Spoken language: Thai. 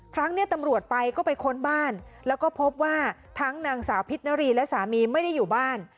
ครั้งนี้ตำรวจไปก็ไปค้นบ้านแล้วก็พบว่าทั้งนางสาวพิษนรีและสามีไม่ได้อยู่บ้าน